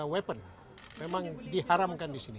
weapon memang diharamkan disini